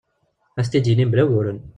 Ad tent-id-yini mebla uguren.